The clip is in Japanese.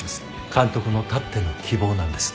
監督のたっての希望なんです。